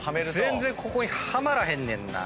全然ここにはまらへんねんなぁ。